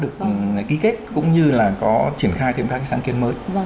đã được ký kết cũng như là có triển khai thêm các sản kiến mới